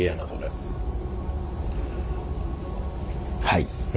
はい。